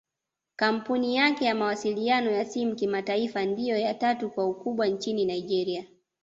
Kampuni yake ya mawasiliano ya simu kimataifa ndio ya tatu kwa ukubwa nchini Nigeria